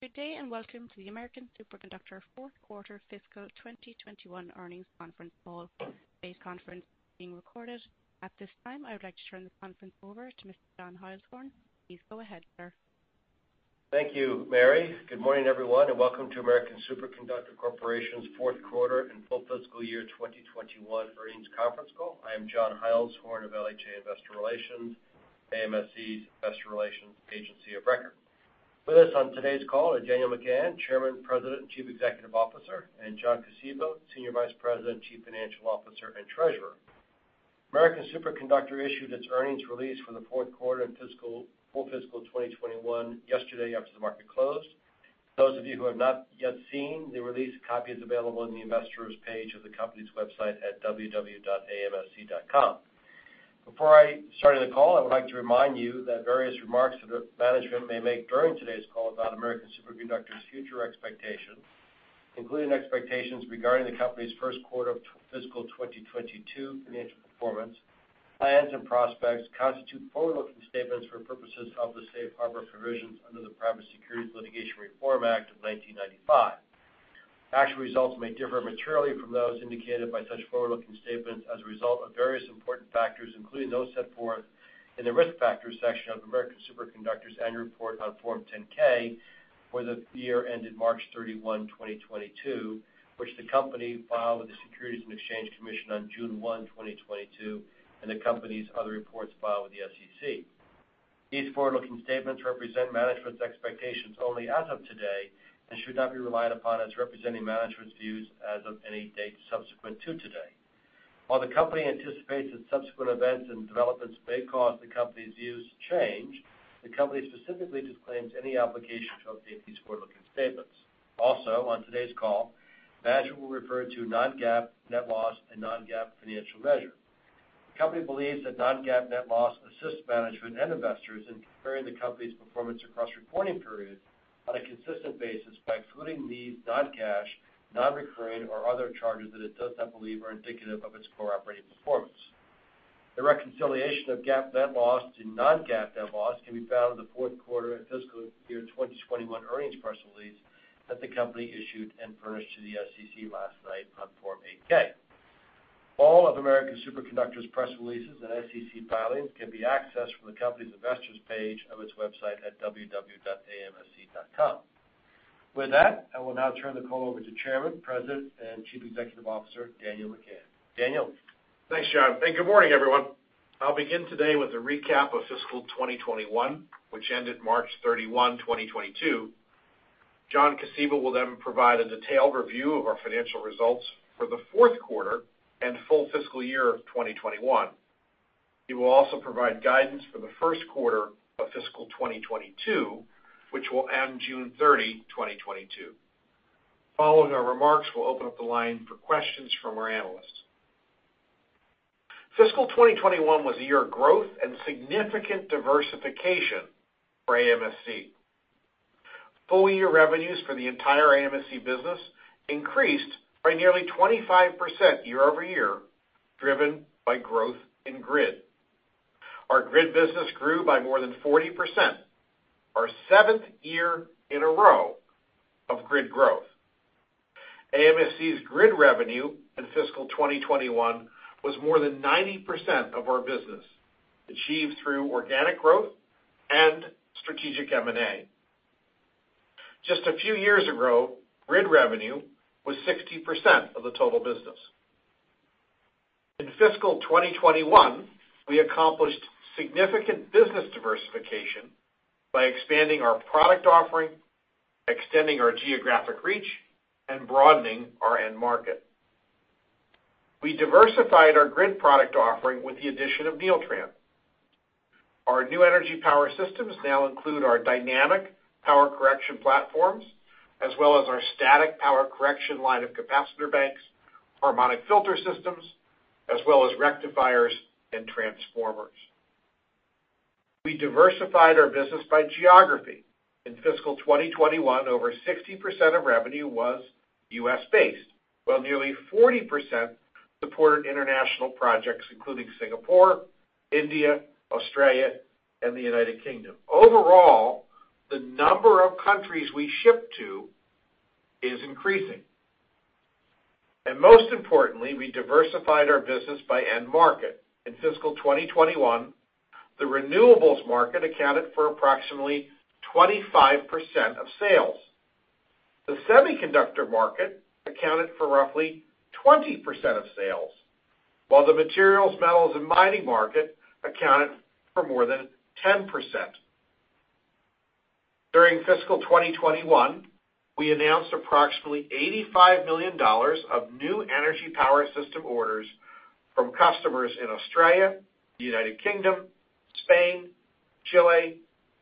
Good day, and welcome to the American Superconductor Fourth Quarter Fiscal 2021 earnings conference call. Today's conference is being recorded. At this time, I would like to turn the conference over to Mr. John Heilshorn. Please go ahead, sir. Thank you, Mary. Good morning, everyone, and welcome to American Superconductor Corporation's Fourth Quarter and Full Fiscal Year 2021 earnings conference call. I am John Heilshorn of LHA Investor Relations, AMSC's investor relations agency of record. With us on today's call are Daniel McGahn, Chairman, President, and Chief Executive Officer, and John Kosiba, Senior Vice President, Chief Financial Officer, and Treasurer. American Superconductor issued its earnings release for the fourth quarter and full fiscal 2021 yesterday after the market closed. Those of you who have not yet seen the release, a copy is available on the investor's page of the company's website at www.amsc.com. Before I start the call, I would like to remind you that various remarks that management may make during today's call about American Superconductor's future expectations, including expectations regarding the company's first quarter of fiscal 2022 financial performance, plans, and prospects constitute forward-looking statements for purposes of the safe harbor provisions under the Private Securities Litigation Reform Act of 1995. Actual results may differ materially from those indicated by such forward-looking statements as a result of various important factors, including those set forth in the Risk Factors section of American Superconductor's annual report on Form 10-K for the year ended March 31, 2022, which the company filed with the Securities and Exchange Commission on June 1, 2022, and the company's other reports filed with the SEC. These forward-looking statements represent management's expectations only as of today and should not be relied upon as representing management's views as of any date subsequent to today. While the company anticipates that subsequent events and developments may cause the company's views to change, the company specifically disclaims any obligation to update these forward-looking statements. Also, on today's call, management will refer to non-GAAP net loss and non-GAAP financial measures. The company believes that non-GAAP net loss assists management and investors in comparing the company's performance across reporting periods on a consistent basis by excluding these non-cash, non-recurring or other charges that it does not believe are indicative of its core operating performance. The reconciliation of GAAP net loss to non-GAAP net loss can be found in the fourth quarter and fiscal year 2021 earnings press release that the company issued and furnished to the SEC last night on Form 8-K. All of American Superconductor's press releases and SEC filings can be accessed from the company's investors page of its website at www.amsc.com. With that, I will now turn the call over to Chairman, President, and Chief Executive Officer, Daniel McGahn. Daniel? Thanks, John, and good morning, everyone. I'll begin today with a recap of fiscal 2021, which ended March 31, 2022. John Kosiba will then provide a detailed review of our financial results for the fourth quarter and full fiscal year of 2021. He will also provide guidance for the first quarter of fiscal 2022, which will end June 30, 2022. Following our remarks, we'll open up the line for questions from our analysts. Fiscal 2021 was a year of growth and significant diversification for AMSC. Full year revenues for the entire AMSC business increased by nearly 25% year-over-year, driven by growth in grid. Our grid business grew by more than 40%, our 7th year in a row of grid growth. AMSC's grid revenue in fiscal 2021 was more than 90% of our business, achieved through organic growth and strategic M&A. Just a few years ago, grid revenue was 60% of the total business. In fiscal 2021, we accomplished significant business diversification by expanding our product offering, extending our geographic reach, and broadening our end market. We diversified our grid product offering with the addition of Neeltran. Our new energy power systems now include our dynamic power correction platforms, as well as our static power correction line of capacitor banks, harmonic filter systems, as well as rectifiers and transformers. We diversified our business by geography. In fiscal 2021, over 60% of revenue was U.S.-based, while nearly 40% supported international projects, including Singapore, India, Australia, and the United Kingdom. Overall, the number of countries we ship to is increasing. Most importantly, we diversified our business by end market. In fiscal 2021, the renewables market accounted for approximately 25% of sales. The semiconductor market accounted for roughly 20% of sales, while the materials, metals, and mining market accounted for more than 10%. During fiscal 2021, we announced approximately $85 million of new energy power system orders from customers in Australia, United Kingdom, Spain, Chile,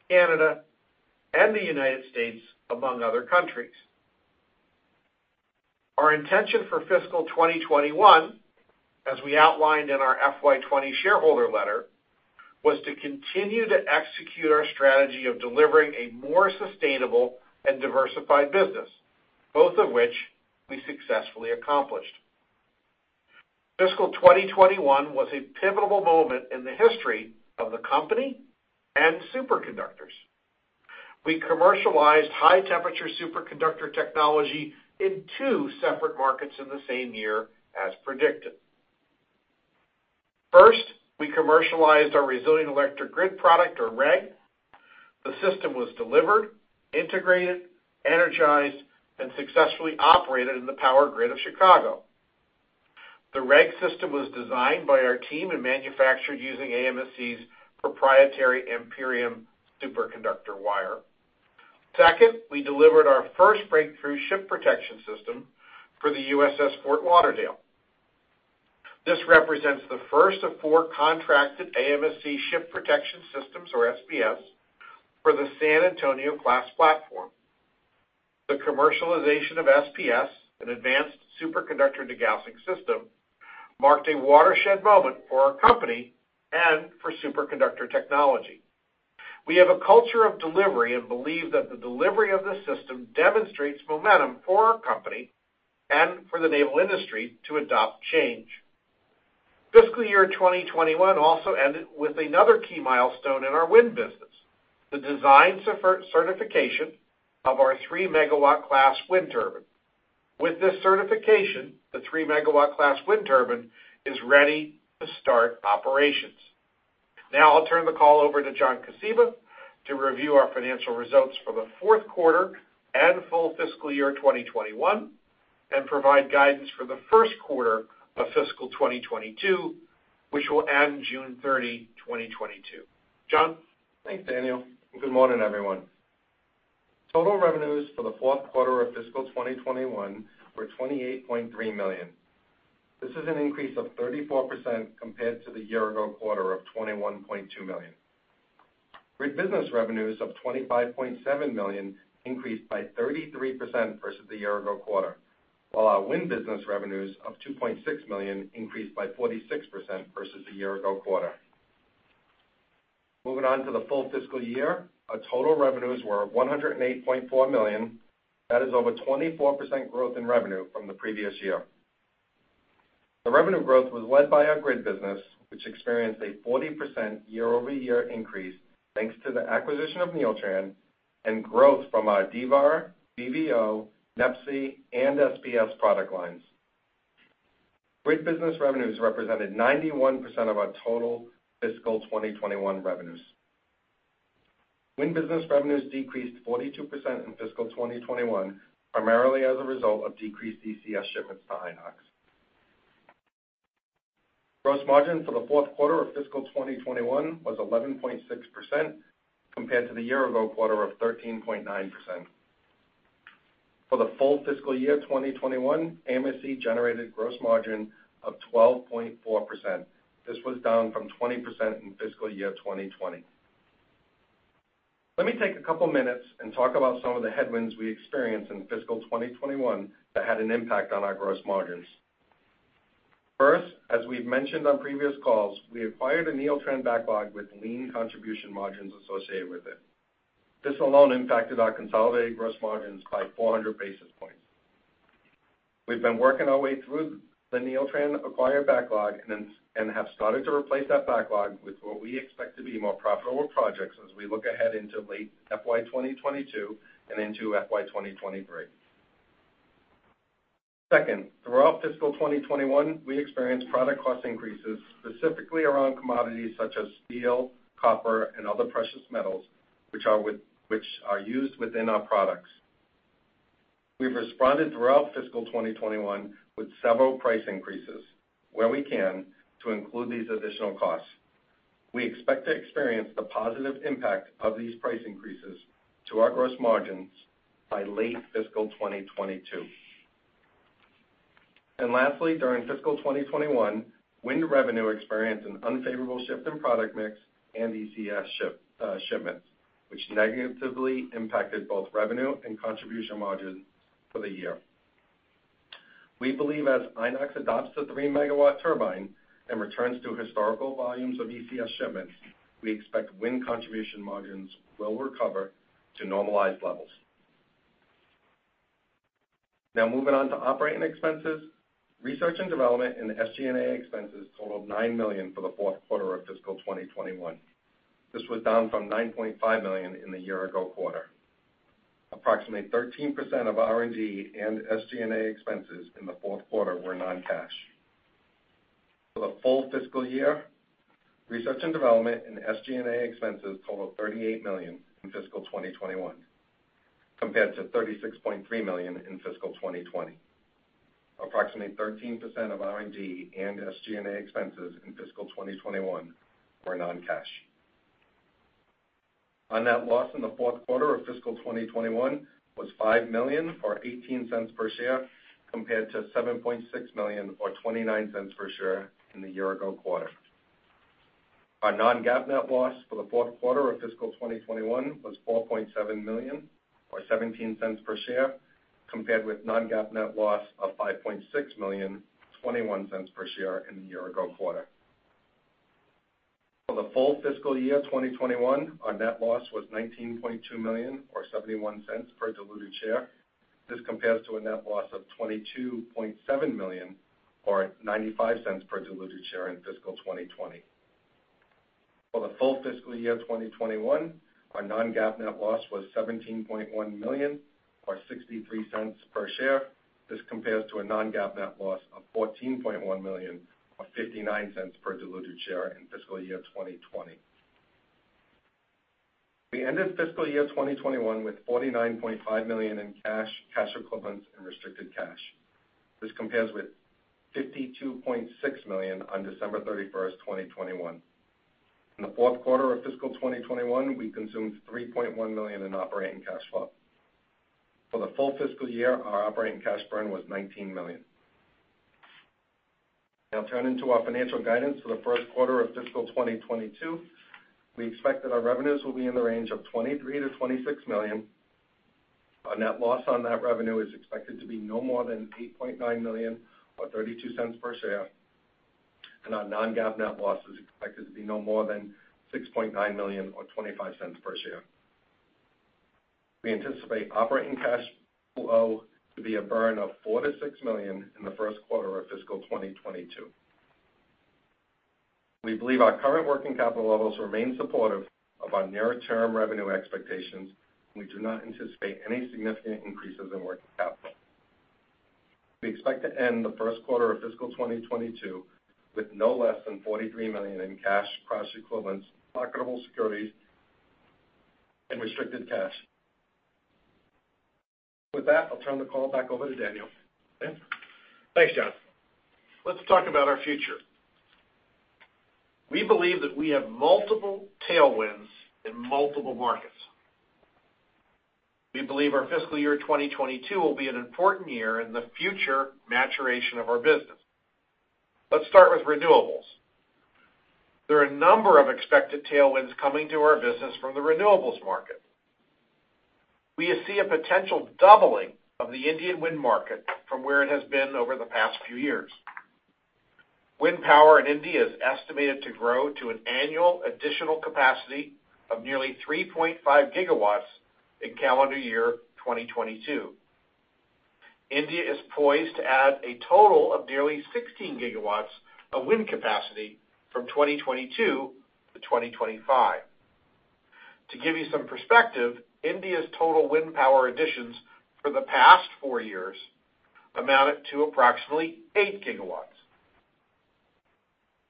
Canada, and the United States, among other countries. Our intention for fiscal 2021, as we outlined in our FY 2021 shareholder letter, was to continue to execute our strategy of delivering a more sustainable and diversified business, both of which we successfully accomplished. Fiscal 2021 was a pivotal moment in the history of the company and superconductors. We commercialized high temperature superconductor technology in two separate markets in the same year as predicted. First, we commercialized our Resilient Electric Grid product or REG. The system was delivered, integrated, energized, and successfully operated in the power grid of Chicago. The REG system was designed by our team and manufactured using AMSC's proprietary Amperium superconductor wire. Second, we delivered our first breakthrough Ship Protection System for the USS Fort Lauderdale. This represents the first of four contracted AMSC Ship Protection Systems, or SPS, for the San Antonio-class platform. The commercialization of SPS, an advanced superconductor degaussing system, marked a watershed moment for our company and for superconductor technology. We have a culture of delivery and believe that the delivery of this system demonstrates momentum for our company and for the naval industry to adopt change. Fiscal year 2021 also ended with another key milestone in our wind business, the design certification of our 3 MW class wind turbine. With this certification, the 3 MW class wind turbine is ready to start operations. Now I'll turn the call over to John Kosiba to review our financial results for the fourth quarter and full fiscal year 2021, and provide guidance for the first quarter of fiscal 2022, which will end June 30, 2022. John? Thanks, Daniel, and good morning, everyone. Total revenues for the fourth quarter of fiscal 2021 were $28.3 million. This is an increase of 34% compared to the year ago quarter of $21.2 million. Grid business revenues of $25.7 million increased by 33% versus the year ago quarter, while our wind business revenues of $2.6 million increased by 46% versus the year ago quarter. Moving on to the full fiscal year, our total revenues were $108.4 million. That is over 24% growth in revenue from the previous year. The revenue growth was led by our grid business, which experienced a 40% year-over-year increase thanks to the acquisition of Neeltran and growth from our D-VAR, VVO, NEPSI, and SPS product lines. Grid business revenues represented 91% of our total fiscal 2021 revenues. Wind business revenues decreased 42% in fiscal 2021, primarily as a result of decreased ECS shipments to Inox. Gross margin for the fourth quarter of fiscal 2021 was 11.6% compared to the year ago quarter of 13.9%. For the full fiscal year 2021, AMSC generated gross margin of 12.4%. This was down from 20% in fiscal year 2020. Let me take a couple minutes and talk about some of the headwinds we experienced in fiscal 2021 that had an impact on our gross margins. First, as we've mentioned on previous calls, we acquired a Neeltran backlog with lean contribution margins associated with it. This alone impacted our consolidated gross margins by 400 basis points. We've been working our way through the Neeltran acquired backlog and have started to replace that backlog with what we expect to be more profitable projects as we look ahead into late FY 2022 and into FY 2023. Second, throughout fiscal 2021, we experienced product cost increases, specifically around commodities such as steel, copper, and other precious metals, which are used within our products. We've responded throughout fiscal 2021 with several price increases where we can to include these additional costs. We expect to experience the positive impact of these price increases to our gross margins by late fiscal 2022. Lastly, during fiscal 2021, wind revenue experienced an unfavorable shift in product mix and ECS shipments, which negatively impacted both revenue and contribution margins for the year. We believe as Inox adopts the 3 MW turbine and returns to historical volumes of ECS shipments, we expect wind contribution margins will recover to normalized levels. Now moving on to operating expenses. Research and development and SG&A expenses totaled $9 million for the fourth quarter of fiscal 2021. This was down from $9.5 million in the year ago quarter. Approximately 13% of R&D and SG&A expenses in the fourth quarter were non-cash. For the full fiscal year, research and development and SG&A expenses totaled $38 million in fiscal 2021 compared to $36.3 million in fiscal 2020. Approximately 13% of R&D and SG&A expenses in fiscal 2021 were non-cash. Our net loss in the fourth quarter of fiscal 2021 was $5 million or $0.18 per share, compared to $7.6 million or $0.29 per share in the year-ago quarter. Our non-GAAP net loss for the fourth quarter of fiscal 2021 was $4.7 million or $0.17 per share, compared with non-GAAP net loss of $5.6 million, $0.21 per share in the year-ago quarter. For the full fiscal year 2021, our net loss was $19.2 million or $0.71 per diluted share. This compares to a net loss of $22.7 million or $0.95 per diluted share in fiscal 2020. For the full fiscal year 2021, our non-GAAP net loss was $17.1 million or $0.63 per share. This compares to a non-GAAP net loss of $14.1 million or $0.59 per diluted share in fiscal year 2020. We ended fiscal year 2021 with $49.5 million in cash equivalents and restricted cash. This compares with $52.6 million on December 31st, 2021. In the fourth quarter of fiscal 2021, we consumed $3.1 million in operating cash flow. For the full fiscal year, our operating cash burn was $19 million. Now turning to our financial guidance for the first quarter of fiscal 2022, we expect that our revenues will be in the range of $23 million-$26 million. Our net loss on that revenue is expected to be no more than $8.9 million or $0.32 per share, and our non-GAAP net loss is expected to be no more than $6.9 million or $0.25 per share. We anticipate operating cash flow to be a burn of $4 million-$6 million in the first quarter of fiscal 2022. We believe our current working capital levels remain supportive of our near-term revenue expectations, and we do not anticipate any significant increases in working capital. We expect to end the first quarter of fiscal 2022 with no less than $43 million in cash equivalents, marketable securities, and restricted cash. With that, I'll turn the call back over to Daniel. Dan? Thanks, John. Let's talk about our future. We believe that we have multiple tailwinds in multiple markets. We believe our fiscal year 2022 will be an important year in the future maturation of our business. Let's start with renewables. There are a number of expected tailwinds coming to our business from the renewables market. We see a potential doubling of the Indian wind market from where it has been over the past few years. Wind power in India is estimated to grow to an annual additional capacity of nearly 3.5 GW in calendar year 2022. India is poised to add a total of nearly 16 GW of wind capacity from 2022 to 2025. To give you some perspective, India's total wind power additions for the past four years amounted to approximately 8 GW.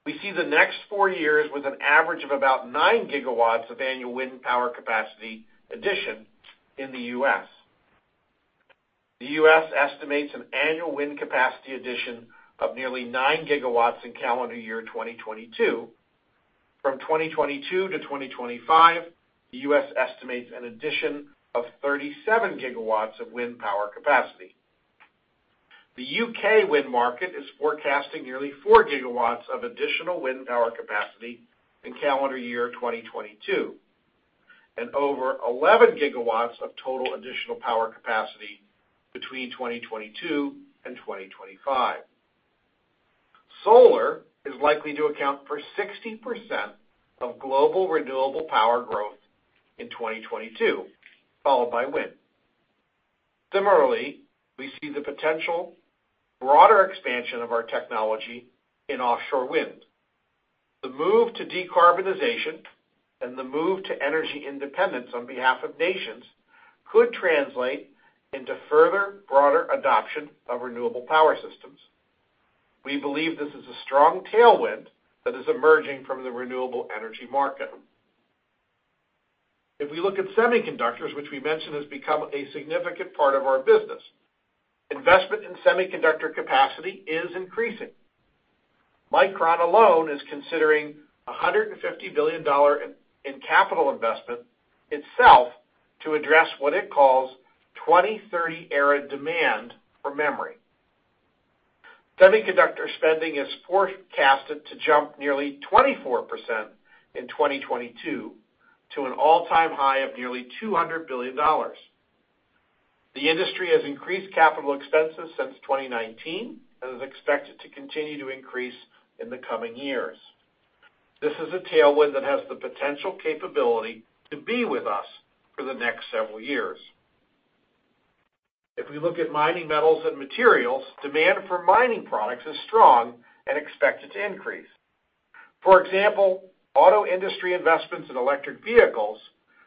We see the next four years with an average of about 9 GW of annual wind power capacity addition in the U.S. The U.S. estimates an annual wind capacity addition of nearly 9 GW in calendar year 2022. From 2022 to 2025, the U.S. estimates an addition of 37 GW of wind power capacity. The U.K. wind market is forecasting nearly 4 GW of additional wind power capacity in calendar year 2022, and over 11 GW of total additional power capacity between 2022 and 2025. Solar is likely to account for 60% of global renewable power growth in 2022, followed by wind. Similarly, we see the potential broader expansion of our technology in offshore wind. The move to decarbonization and the move to energy independence on behalf of nations could translate into further broader adoption of renewable power systems. We believe this is a strong tailwind that is emerging from the renewable energy market. If we look at semiconductors, which we mentioned has become a significant part of our business, investment in semiconductor capacity is increasing. Micron alone is considering $150 billion in capital investment itself to address what it calls "2030-era demand for memory." Semiconductor spending is forecasted to jump nearly 24% in 2022 to an all-time high of nearly $200 billion. The industry has increased capital expenses since 2019 and is expected to continue to increase in the coming years. This is a tailwind that has the potential capability to be with us for the next several years. If we look at mining metals and materials, demand for mining products is strong and expected to increase. For example, auto industry investments in electric vehicles,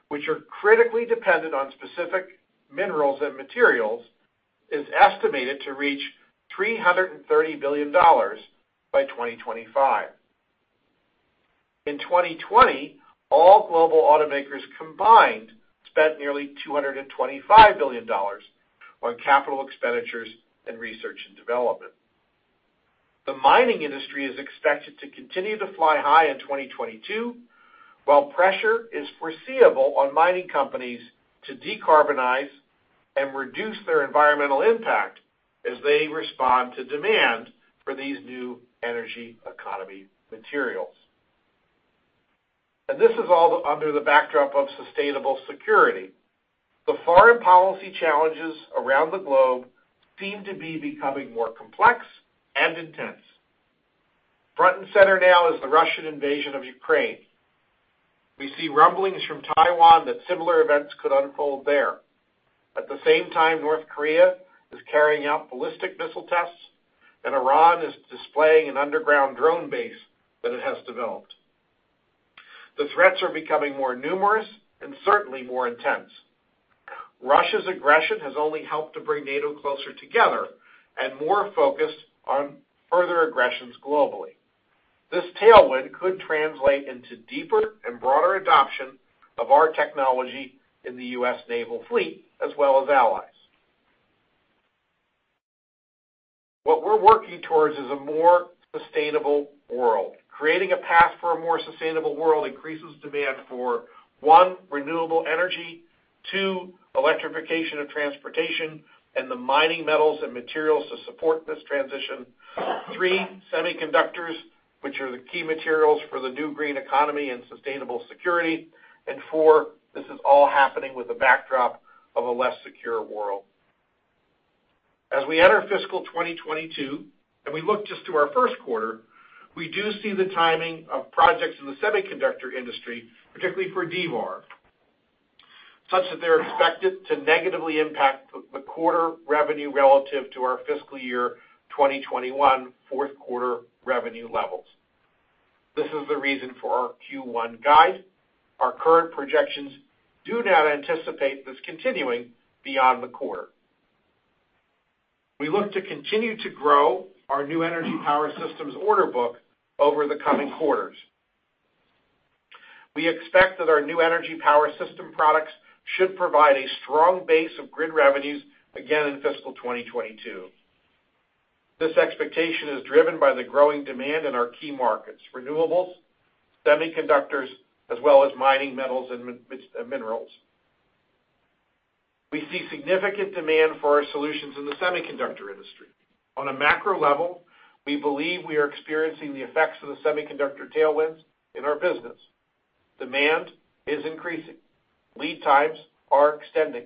which are critically dependent on specific minerals and materials, is estimated to reach $330 billion by 2025. In 2020, all global automakers combined spent nearly $225 billion on capital expenditures and research and development. The mining industry is expected to continue to fly high in 2022, while pressure is foreseeable on mining companies to decarbonize and reduce their environmental impact as they respond to demand for these new energy economy materials. This is all under the backdrop of sustainable security. The foreign policy challenges around the globe seem to be becoming more complex and intense. Front and center now is the Russian invasion of Ukraine. We see rumblings from Taiwan that similar events could unfold there. At the same time, North Korea is carrying out ballistic missile tests, and Iran is displaying an underground drone base that it has developed. The threats are becoming more numerous and certainly more intense. Russia's aggression has only helped to bring NATO closer together and more focused on further aggressions globally. This tailwind could translate into deeper and broader adoption of our technology in the U.S. Naval fleet, as well as allies. What we're working towards is a more sustainable world. Creating a path for a more sustainable world increases demand for, one, renewable energy, two, electrification of transportation and the mining metals and materials to support this transition, three, semiconductors, which are the key materials for the new green economy and sustainable security, and four, this is all happening with the backdrop of a less secure world. As we enter fiscal 2022, we look just to our first quarter. We do see the timing of projects in the semiconductor industry, particularly for D-VAR, such that they're expected to negatively impact the quarter revenue relative to our fiscal year 2021 fourth quarter revenue levels. This is the reason for our Q1 guide. Our current projections do not anticipate this continuing beyond the quarter. We look to continue to grow our new energy power systems order book over the coming quarters. We expect that our new energy power system products should provide a strong base of grid revenues again in fiscal 2022. This expectation is driven by the growing demand in our key markets, renewables, semiconductors, as well as mining metals and minerals. We see significant demand for our solutions in the semiconductor industry. On a macro level, we believe we are experiencing the effects of the semiconductor tailwinds in our business. Demand is increasing. Lead times are extending.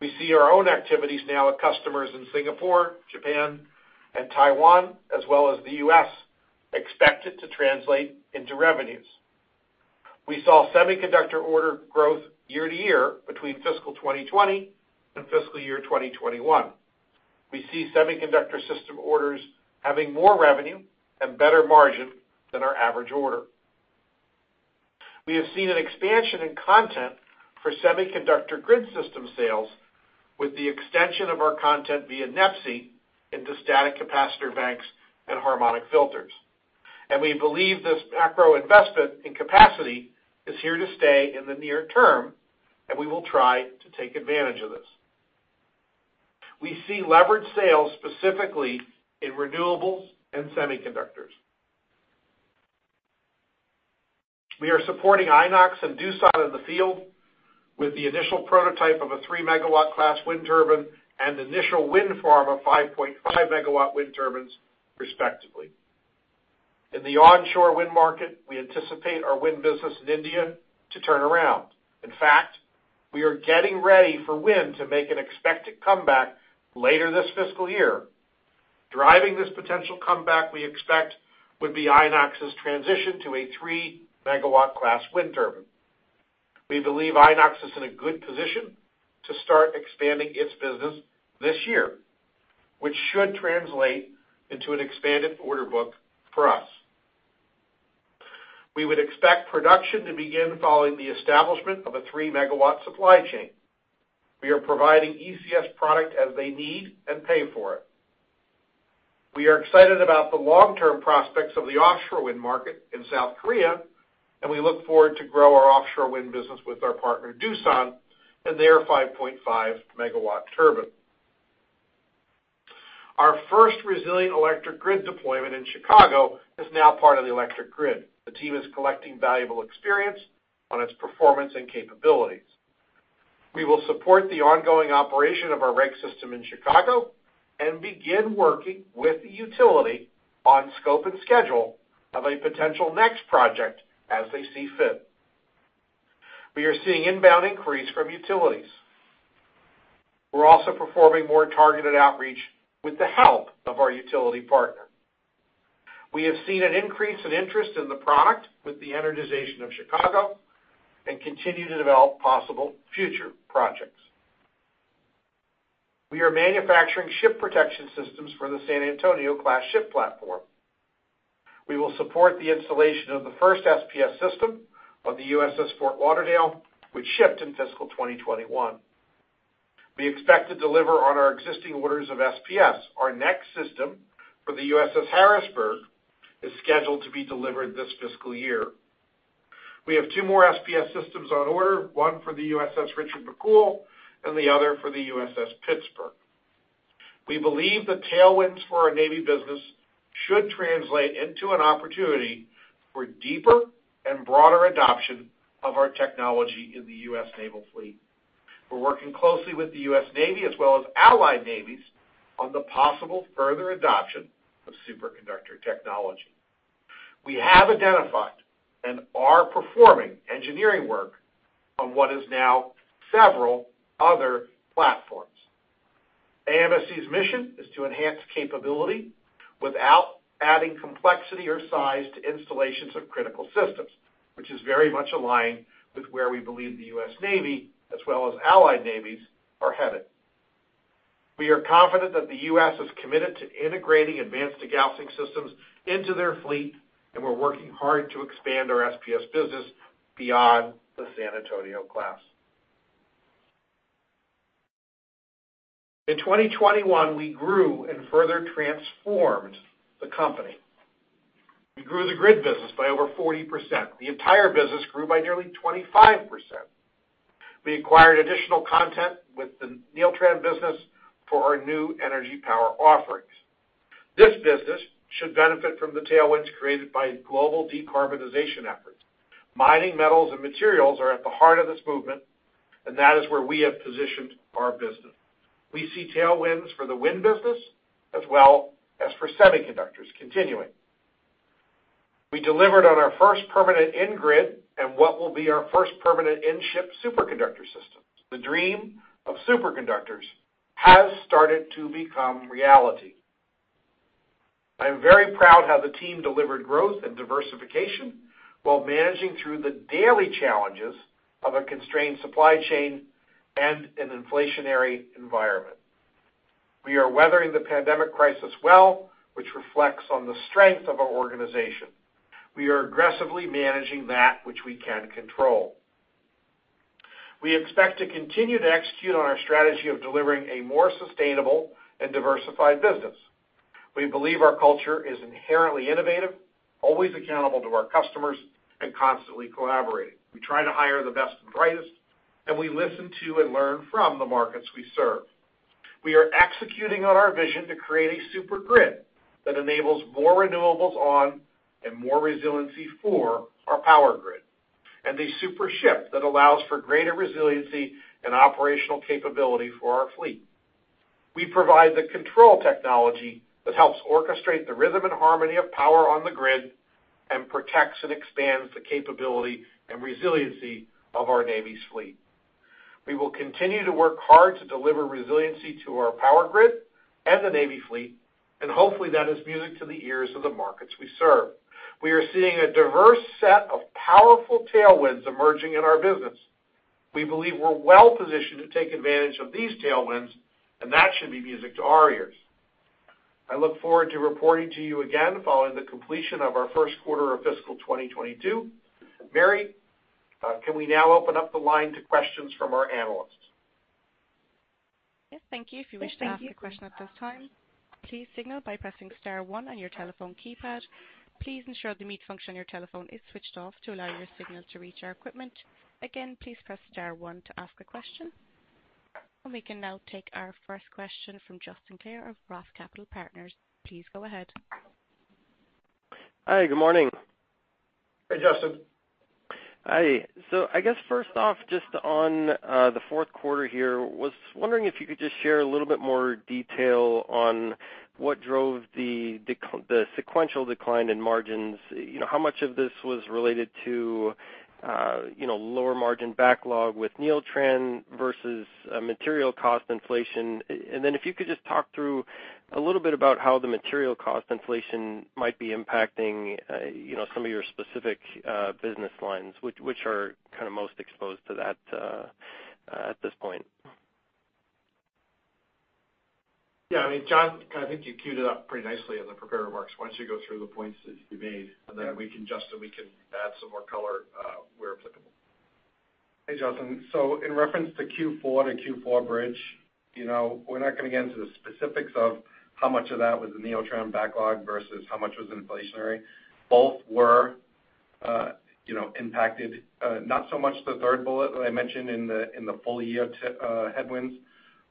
We see our own activities now with customers in Singapore, Japan, and Taiwan, as well as the U.S., expected to translate into revenues. We saw semiconductor order growth year to year between fiscal 2020 and fiscal year 2021. We see semiconductor system orders having more revenue and better margin than our average order. We have seen an expansion in content for semiconductor grid system sales with the extension of our content via NEPSI into static capacitor banks and harmonic filters. We believe this macro investment in capacity is here to stay in the near term, and we will try to take advantage of this. We see leveraged sales specifically in renewables and semiconductors. We are supporting Inox and Doosan in the field with the initial prototype of a 3 MW class wind turbine and initial wind farm of 5.5 MW wind turbines, respectively. In the onshore wind market, we anticipate our wind business in India to turn around. In fact, we are getting ready for wind to make an expected comeback later this fiscal year. Driving this potential comeback we expect would be Inox's transition to a 3 MW class wind turbine. We believe Inox is in a good position to start expanding its business this year, which should translate into an expanded order book for us. We would expect production to begin following the establishment of a 3 MW supply chain. We are providing ECS product as they need and pay for it. We are excited about the long-term prospects of the offshore wind market in South Korea, and we look forward to grow our offshore wind business with our partner Doosan and their 5.5 MW turbine. Our first Resilient Electric Grid deployment in Chicago is now part of the electric grid. The team is collecting valuable experience on its performance and capabilities. We will support the ongoing operation of our REG system in Chicago and begin working with the utility on scope and schedule of a potential next project as they see fit. We are seeing inbound interest from utilities. We're also performing more targeted outreach with the help of our utility partner. We have seen an increase in interest in the product with the energization of Chicago and continue to develop possible future projects. We are manufacturing Ship Protection Systems for the San Antonio-class ship platform. We will support the installation of the first SPS system on the USS Fort Lauderdale, which shipped in fiscal 2021. We expect to deliver on our existing orders of SPS. Our next system for the USS Harrisburg is scheduled to be delivered this fiscal year. We have two more SPS systems on order, one for the USS Richard M. McCool Jr. and the other for the USS Pittsburgh. We believe the tailwinds for our Navy business should translate into an opportunity for deeper and broader adoption of our technology in the U.S. Naval fleet. We're working closely with the U.S. Navy as well as allied navies on the possible further adoption of superconductor technology. We have identified and are performing engineering work on what is now several other platforms. AMSC's mission is to enhance capability without adding complexity or size to installations of critical systems, which is very much aligned with where we believe the U.S. Navy as well as allied navies are headed. We are confident that the U.S. is committed to integrating advanced degaussing systems into their fleet, and we're working hard to expand our SPS business beyond the San Antonio-class. In 2021, we grew and further transformed the company. We grew the grid business by over 40%. The entire business grew by nearly 25%. We acquired the Neeltran business for our new energy power offerings. This business should benefit from the tailwinds created by global decarbonization efforts. Mining, metals, and materials are at the heart of this movement, and that is where we have positioned our business. We see tailwinds for the wind business as well as for semiconductors continuing. We delivered on our first permanent in-grid and what will be our first permanent in-ship superconductor system. The dream of superconductors has started to become reality. I am very proud how the team delivered growth and diversification while managing through the daily challenges of a constrained supply chain and an inflationary environment. We are weathering the pandemic crisis well, which reflects on the strength of our organization. We are aggressively managing that which we can control. We expect to continue to execute on our strategy of delivering a more sustainable and diversified business. We believe our culture is inherently innovative, always accountable to our customers, and constantly collaborating. We try to hire the best and brightest, and we listen to and learn from the markets we serve. We are executing on our vision to create a super grid that enables more renewables on and more resiliency for our power grid, and a super ship that allows for greater resiliency and operational capability for our fleet. We provide the control technology that helps orchestrate the rhythm and harmony of power on the grid and protects and expands the capability and resiliency of our Navy's fleet. We will continue to work hard to deliver resiliency to our power grid and the Navy fleet, and hopefully that is music to the ears of the markets we serve. We are seeing a diverse set of powerful tailwinds emerging in our business. We believe we're well-positioned to take advantage of these tailwinds, and that should be music to our ears. I look forward to reporting to you again following the completion of our first quarter of fiscal 2022. Mary, can we now open up the line to questions from our analysts? Yes, thank you. If you wish to ask a question at this time, please signal by pressing star one on your telephone keypad. Please ensure the mute function on your telephone is switched off to allow your signal to reach our equipment. Again, please press star one to ask a question. We can now take our first question from Justin Clare of Roth Capital Partners. Please go ahead. Hi, good morning. Hey, Justin. Hi. I guess first off, just on the fourth quarter here, was wondering if you could just share a little bit more detail on what drove the sequential decline in margins. You know, how much of this was related to, you know, lower margin backlog with Neeltran versus material cost inflation. And then if you could just talk through a little bit about how the material cost inflation might be impacting, you know, some of your specific business lines, which are kind of most exposed to that, at this point. Yeah. I mean, John, I kind of think you cued it up pretty nicely in the prepared remarks. Why don't you go through the points that you made, and then we can, Justin, we can add some more color, where applicable. Hey, Justin. In reference to Q4, the Q4 bridge, you know, we're not gonna get into the specifics of how much of that was the Neeltran backlog versus how much was inflationary. Both were, you know, impacted, not so much the third bullet that I mentioned in the full year headwinds,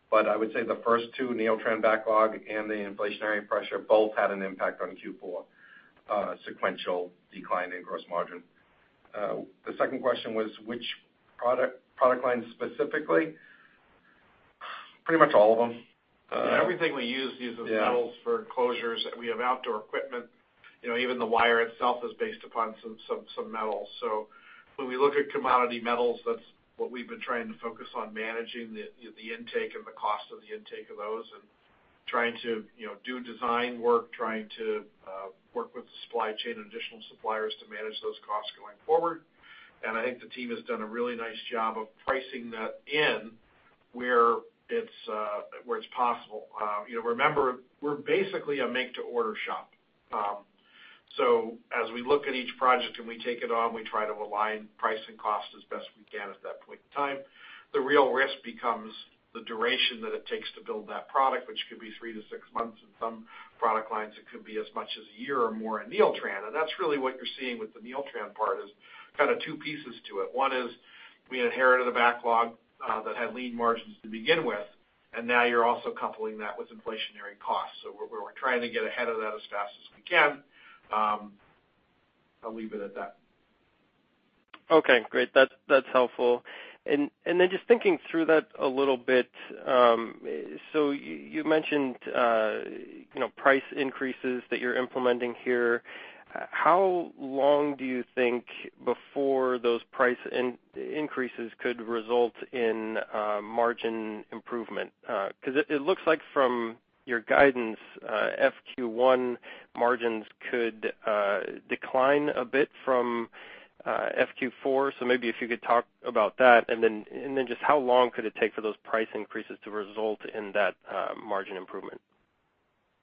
but I would say the first two, Neeltran backlog and the inflationary pressure, both had an impact on Q4 sequential decline in gross margin. The second question was which product line specifically? Pretty much all of them. Yeah, everything we use uses. Yeah Metals for enclosures. We have outdoor equipment. You know, even the wire itself is based upon some metals. When we look at commodity metals, that's what we've been trying to focus on managing the intake and the cost of the intake of those and trying to, you know, do design work, trying to work with the supply chain and additional suppliers to manage those costs going forward. I think the team has done a really nice job of pricing that in where it's possible. You know, remember, we're basically a make to order shop. As we look at each project and we take it on, we try to align price and cost as best we can at that point in time. The real risk becomes the duration that it takes to build that product, which could be 3 to 6 months. In some product lines, it could be as much as a year or more at Neeltran. That's really what you're seeing with the Neeltran part, is kind of two pieces to it. One is we inherited a backlog that had lean margins to begin with, and now you're also coupling that with inflationary costs. We're trying to get ahead of that as fast as we can. I'll leave it at that. Okay, great. That's helpful. Just thinking through that a little bit, so you mentioned, you know, price increases that you're implementing here. How long do you think before those price increases could result in margin improvement? 'Cause it looks like from your guidance, FQ1 margins could decline a bit from FQ4. Maybe if you could talk about that, and then just how long could it take for those price increases to result in that margin improvement?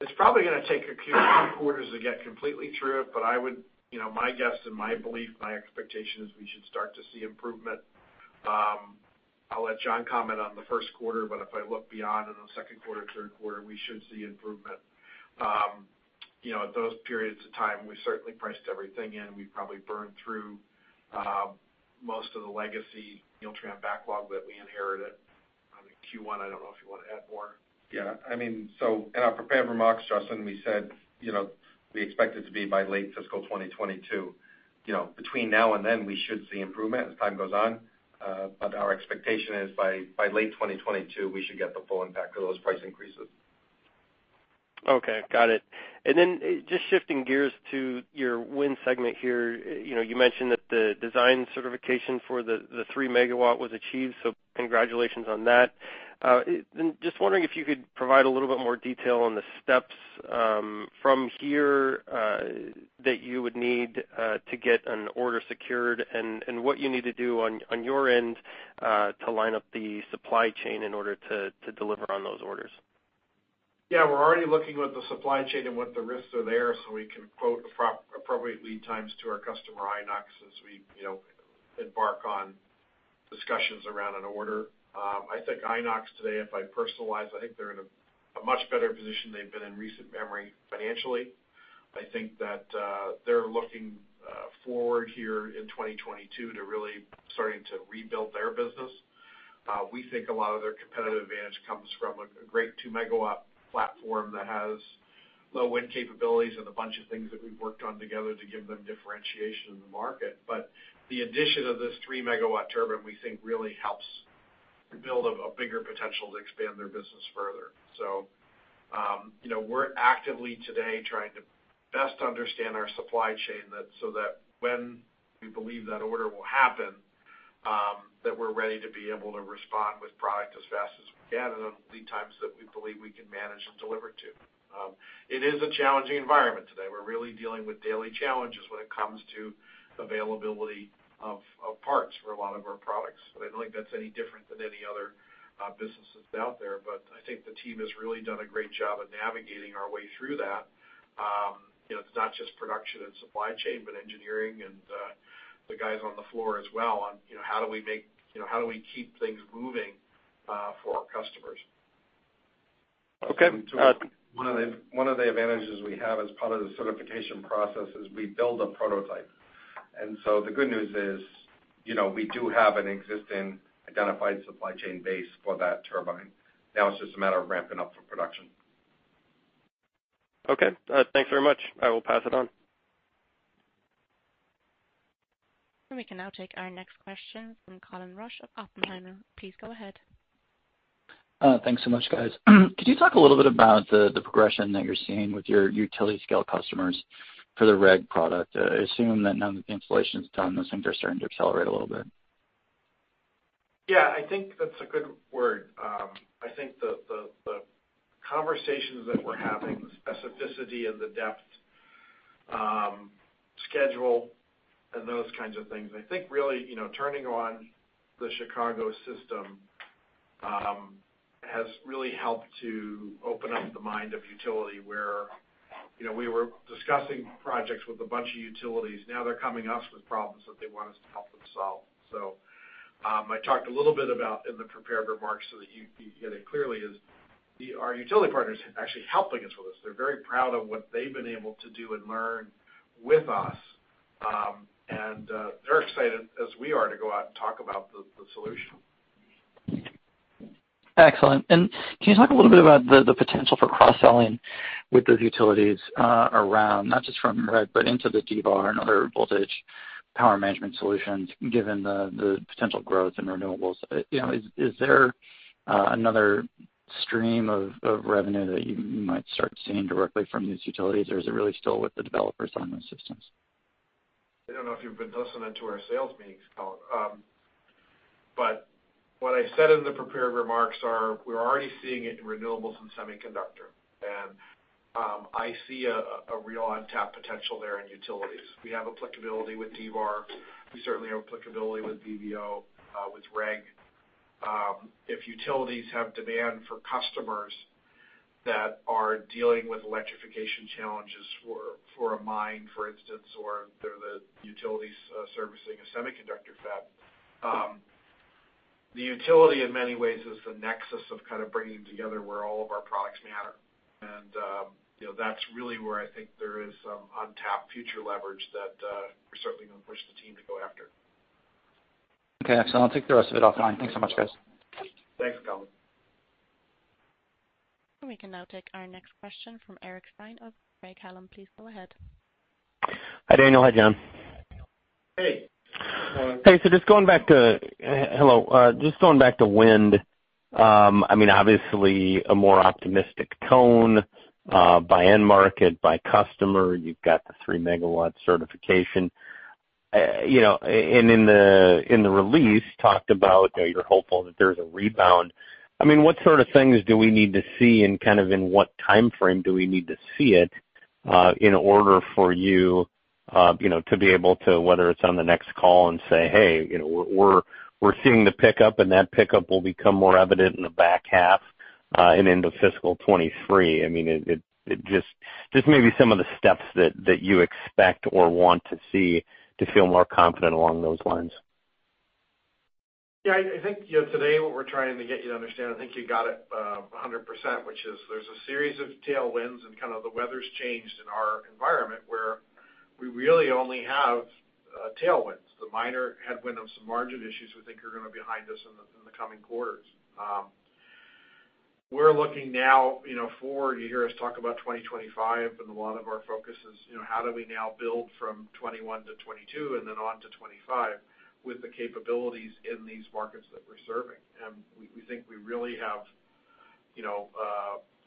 It's probably gonna take a few quarters to get completely through it, but I would, you know, my guess and my belief, my expectation is we should start to see improvement. I'll let John comment on the first quarter, but if I look beyond in the second quarter, third quarter, we should see improvement. You know, at those periods of time, we certainly priced everything in. We probably burned through most of the legacy Neeltran backlog that we inherited on the Q1. I don't know if you wanna add more. Yeah. I mean, in our prepared remarks, Justin, we said, you know, we expect it to be by late fiscal 2022. You know, between now and then, we should see improvement as time goes on. But our expectation is by late 2022, we should get the full impact of those price increases. Okay. Got it. Just shifting gears to your wind segment here. You know, you mentioned that the design certification for the 3 MW was achieved, so congratulations on that. Just wondering if you could provide a little bit more detail on the steps from here that you would need to get an order secured and what you need to do on your end to line up the supply chain in order to deliver on those orders. Yeah. We're already looking with the supply chain and what the risks are there, so we can quote appropriate lead times to our customer, Inox, as we, you know, embark on discussions around an order. I think Inox today, if I personally, I think they're in a much better position they've been in recent memory financially. I think that, they're looking forward here in 2022 to really starting to rebuild their business. We think a lot of their competitive advantage comes from a great 2 MW platform that has low wind capabilities and a bunch of things that we've worked on together to give them differentiation in the market. The addition of this 3 MW turbine, we think, really helps build a bigger potential to expand their business further. You know, we're actively today trying to best understand our supply chain so that when we believe that order will happen, that we're ready to be able to respond with product as fast as we can, and the lead times that we believe we can manage and deliver to. It is a challenging environment today. We're really dealing with daily challenges when it comes to availability of parts for a lot of our products. I don't think that's any different than any other businesses out there. I think the team has really done a great job at navigating our way through that. You know, it's not just production and supply chain, but engineering and the guys on the floor as well on, you know, how do we keep things moving for our customers. Okay. One of the advantages we have as part of the certification process is we build a prototype. The good news is, you know, we do have an existing identified supply chain base for that turbine. Now it's just a matter of ramping up for production. Okay. Thanks very much. I will pass it on. We can now take our next question from Colin Rusch of Oppenheimer. Please go ahead. Thanks so much, guys. Could you talk a little bit about the progression that you're seeing with your utility scale customers for the REG product? I assume that now that the installation's done, those things are starting to accelerate a little bit. Yeah, I think that's a good word. I think the conversations that we're having, the specificity and the depth, schedule and those kinds of things, I think really, you know, turning on the Chicago system has really helped to open up the mind of utility where, you know, we were discussing projects with a bunch of utilities, now they're coming to us with problems that they want us to help them solve. I talked a little bit about in the prepared remarks so that you get it clearly is that our utility partners actually helping us with this. They're very proud of what they've been able to do and learn with us. They're excited as we are to go out and talk about the solution. Excellent. Can you talk a little bit about the potential for cross-selling with those utilities, around not just from REG, but into the D-VAR and other voltage power management solutions, given the potential growth in renewables? You know, is there another stream of revenue that you might start seeing directly from these utilities, or is it really still with the developers on those systems? I don't know if you've been listening to our sales meetings, Colin. What I said in the prepared remarks are, we're already seeing it in renewables and semiconductor. I see a real untapped potential there in utilities. We have applicability with D-VAR. We certainly have applicability with VVO, with REG. If utilities have demand for customers that are dealing with electrification challenges for a mine, for instance, or they're the utilities servicing a semiconductor fab, the utility in many ways is the nexus of kind of bringing together where all of our products matter. You know, that's really where I think there is some untapped future leverage that we're certainly gonna push the team to go after. Okay. Excellent. I'll take the rest of it offline. Thanks so much, guys. Thanks, Colin. We can now take our next question from Eric Stine of Craig-Hallum. Please go ahead. Hi, Daniel. Hi, John. Hey. Just going back to wind, I mean, obviously a more optimistic tone by end market, by customer. You've got the 3 MW certification. You know, and in the release talked about that you're hopeful that there's a rebound. I mean, what sort of things do we need to see, and kind of in what timeframe do we need to see it, in order for you know, to be able to, whether it's on the next call and say, "Hey, you know, we're seeing the pickup, and that pickup will become more evident in the back half, and into fiscal 2023." I mean, it just maybe some of the steps that you expect or want to see to feel more confident along those lines. Yeah, I think, you know, today, what we're trying to get you to understand. I think you got it 100%, which is there's a series of tailwinds, and kind of the weather's changed in our environment, where we really only have tailwinds. The minor headwind of some margin issues we think are gonna be behind us in the coming quarters. We're looking now, you know, forward. You hear us talk about 2025, and a lot of our focus is, you know, how do we now build from 2021 to 2022 and then on to 2025 with the capabilities in these markets that we're serving? We think we really have, you know,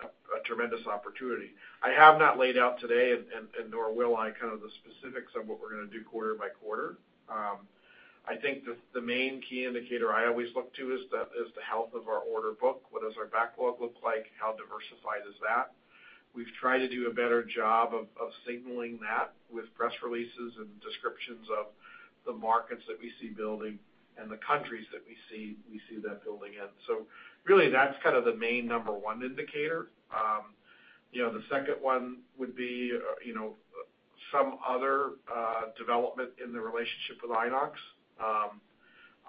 a tremendous opportunity. I have not laid out today, and nor will I, kind of the specifics of what we're gonna do quarter by quarter. I think the main key indicator I always look to is the health of our order book. What does our backlog look like? How diversified is that? We've tried to do a better job of signaling that with press releases and descriptions of the markets that we see building and the countries that we see that building in. Really that's kind of the main number one indicator. You know, the second one would be, you know, some other development in the relationship with Inox.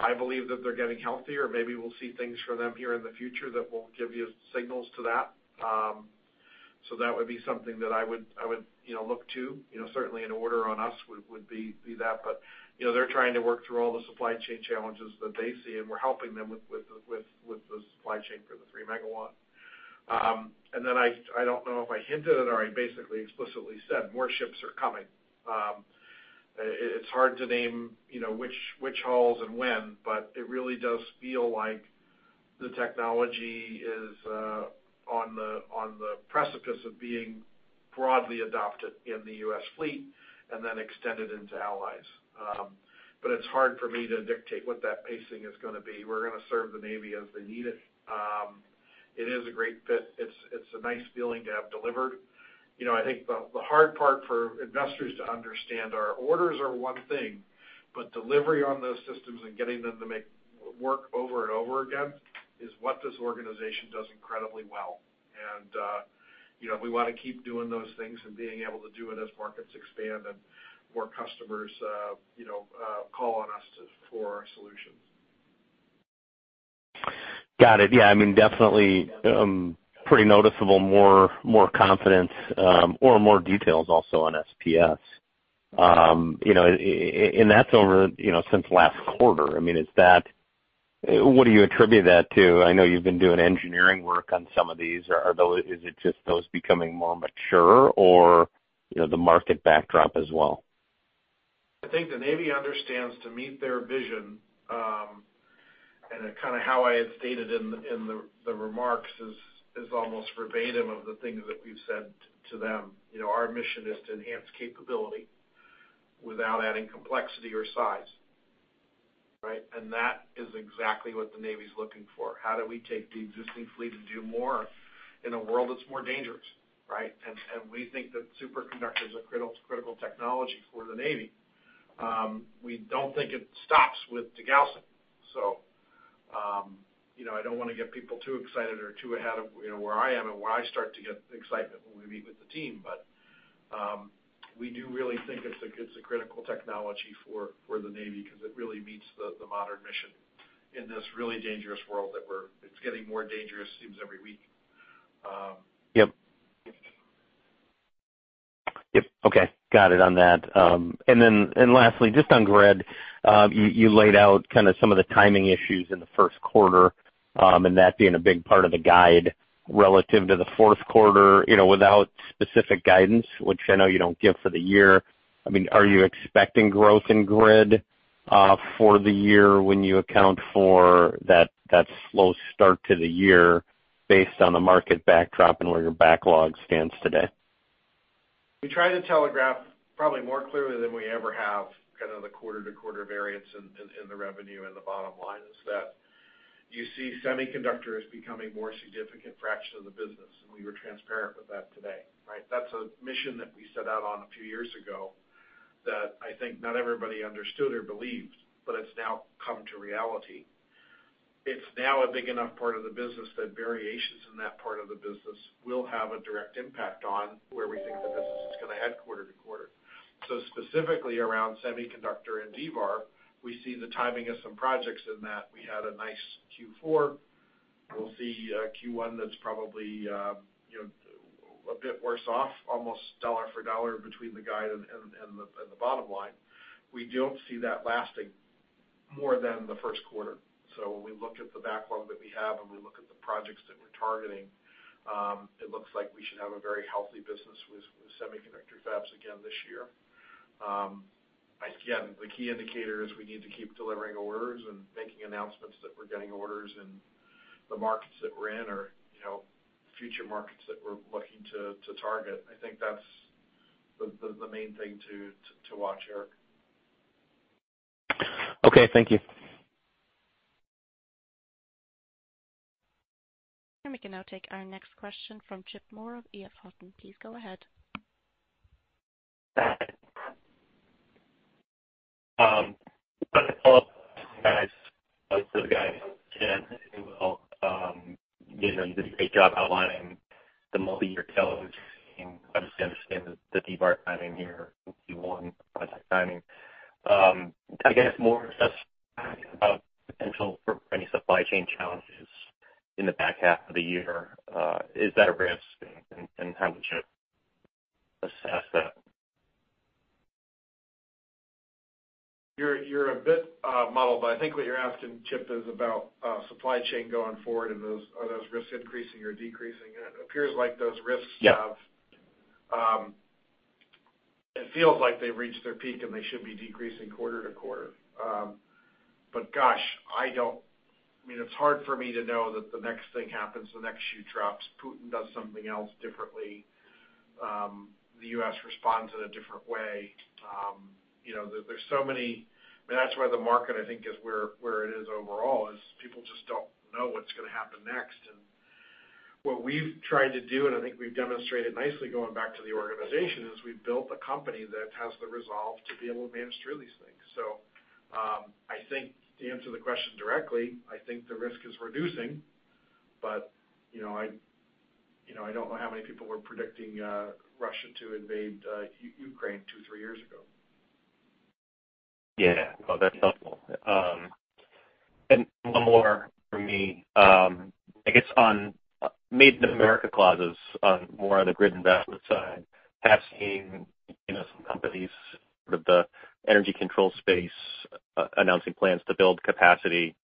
I believe that they're getting healthier. Maybe we'll see things from them here in the future that will give you signals to that. So that would be something that I would, you know, look to. You know, certainly an order on us would be that. You know, they're trying to work through all the supply chain challenges that they see, and we're helping them with the supply chain for the 3 MW. And then I don't know if I hinted it or I basically explicitly said, more ships are coming. It's hard to name, you know, which hulls and when, but it really does feel like the technology is on the precipice of being broadly adopted in the U.S. fleet and then extended into allies. It's hard for me to dictate what that pacing is gonna be. We're gonna serve the Navy as they need it. It is a great fit. It's a nice feeling to have delivered. You know, I think the hard part for investors to understand are orders are one thing, but delivery on those systems and getting them to make work over and over again is what this organization does incredibly well. We wanna keep doing those things and being able to do it as markets expand and more customers, you know, call on us for our solutions. Got it. Yeah. I mean, definitely, pretty noticeable, more confidence, or more details also on SPS. You know, and that's over, you know, since last quarter. I mean, is that? What do you attribute that to? I know you've been doing engineering work on some of these. Is it just those becoming more mature or, you know, the market backdrop as well? I think the Navy understands to meet their vision, and then kind of how I had stated in the remarks is almost verbatim of the things that we've said to them. You know, our mission is to enhance capability without adding complexity or size, right? That is exactly what the Navy's looking for. How do we take the existing fleet and do more in a world that's more dangerous, right? We think that superconductors are critical technology for the Navy. We don't think it stops with degaussing. You know, I don't wanna get people too excited or too ahead of where I am and where I start to get excitement when we meet with the team. We do really think it's a critical technology for the Navy 'cause it really meets the modern mission in this really dangerous world that we're. It's getting more dangerous it seems every week. Yep. Okay. Got it on that. Then lastly, just on grid, you laid out kind of some of the timing issues in the first quarter, and that being a big part of the guide relative to the fourth quarter. You know, without specific guidance, which I know you don't give for the year, I mean, are you expecting growth in grid for the year when you account for that slow start to the year based on the market backdrop and where your backlog stands today? We try to telegraph probably more clearly than we ever have kind of the quarter-to-quarter variance in the revenue and the bottom line is that you see semiconductor as becoming more significant fraction of the business, and we were transparent with that today, right? That's a mission that we set out on a few years ago that I think not everybody understood or believed, but it's now come to reality. It's now a big enough part of the business that variations in that part of the business will have a direct impact on where we think the business is gonna head quarter to quarter. Specifically around semiconductor and D-VAR, we see the timing of some projects in that. We had a nice Q4. We'll see, Q1 that's probably a bit worse off, almost dollar for dollar between the guide and the bottom line. We don't see that lasting more than the first quarter. When we look at the backlog that we have and we look at the projects that we're targeting, it looks like we should have a very healthy business with semiconductor fabs again this year. Again, the key indicator is we need to keep delivering orders and making announcements that we're getting orders in the markets that we're in or, you know, future markets that we're looking to target. I think that's the main thing to watch, Eric. Okay. Thank you. We can now take our next question from Chip Moore of E.F. Hutton. Please go ahead. Follow up, guys. Thanks for the guidance, Daniel and John, you know, you did a great job outlining the multiyear tail that you're seeing. Obviously understand the D-VAR timing here, Q1 project timing. I guess more assessment about potential for any supply chain challenges in the back half of the year. Is that a real thing, and how would you assess that? You're a bit muddled, but I think what you're asking, Chip, is about supply chain going forward and those are those risks increasing or decreasing. It appears like those risks have Yeah. It feels like they've reached their peak, and they should be decreasing quarter to quarter. But gosh, I don't, I mean, it's hard for me to know that the next thing happens, the next shoe drops, Putin does something else differently, the U.S. responds in a different way. You know, there's so many, I mean, that's why the market, I think, is where it is overall is people just don't know what's gonna happen next. What we've tried to do, and I think we've demonstrated nicely going back to the organization, is we've built a company that has the resolve to be able to manage through these things. I think to answer the question directly, I think the risk is reducing. You know, I don't know how many people were predicting Russia to invade Ukraine two, three years ago. Yeah. No, that's helpful. One more from me. I guess on Made in America clauses on more on the grid investment side, have seen, you know, some companies with the energy control space, announcing plans to build capacity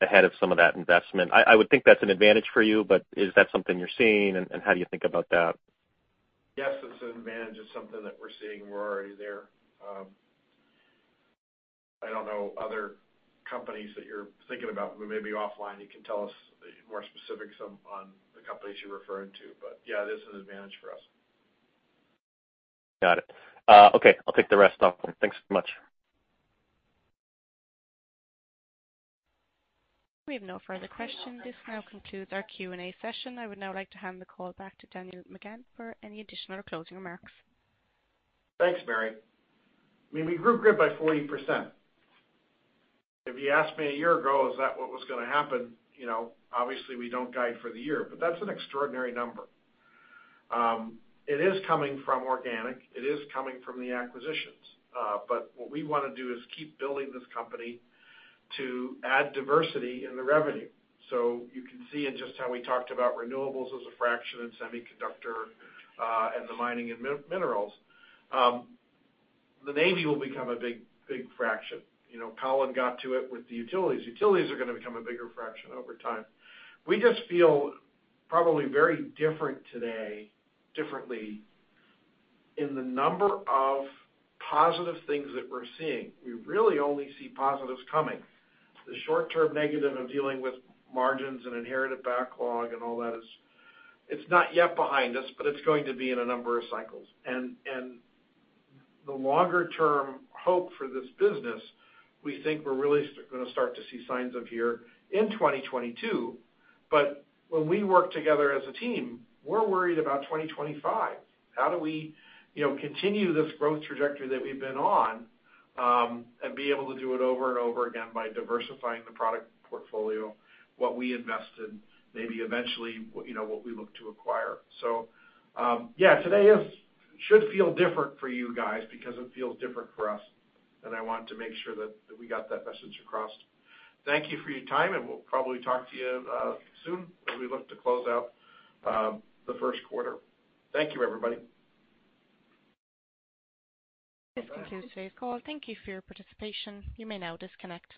ahead of some of that investment. I would think that's an advantage for you, but is that something you're seeing? How do you think about that? Yes, it's an advantage. It's something that we're seeing. We're already there. I don't know other companies that you're thinking about, but maybe offline you can tell us more specifics on the companies you're referring to. Yeah, this is an advantage for us. Got it. Okay. I'll take the rest offline. Thanks so much. We have no further questions. This now concludes our Q&A session. I would now like to hand the call back to Daniel McGahn for any additional closing remarks. Thanks, Mary. I mean, we grew grid by 40%. If you asked me a year ago is that what was gonna happen, you know, obviously we don't guide for the year, but that's an extraordinary number. It is coming from organic. It is coming from the acquisitions. What we wanna do is keep building this company to add diversity in the revenue. You can see in just how we talked about renewables as a fraction in semiconductor, and the mining and minerals. The Navy will become a big, big fraction. You know, Colin got to it with the utilities. Utilities are gonna become a bigger fraction over time. We just feel probably very different today, differently in the number of positive things that we're seeing. We really only see positives coming. The short-term negative of dealing with margins and inherited backlog and all that is, it's not yet behind us, but it's going to be in a number of cycles. The longer term hope for this business, we think we're really gonna start to see signs this year in 2022. When we work together as a team, we're worried about 2025. How do we, you know, continue this growth trajectory that we've been on, and be able to do it over and over again by diversifying the product portfolio, what we invest in, maybe eventually, you know, what we look to acquire. Yeah, today should feel different for you guys because it feels different for us, and I want to make sure that we got that message across. Thank you for your time, and we'll probably talk to you soon as we look to close out the first quarter. Thank you, everybody. This concludes today's call. Thank you for your participation. You may now disconnect.